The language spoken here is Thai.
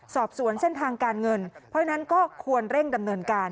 สอบสวนเส้นทางการเงินเพราะฉะนั้นก็ควรเร่งดำเนินการ